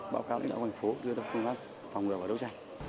báo cáo lãnh đạo thành phố đưa ra phương pháp phòng ngừa và đấu tranh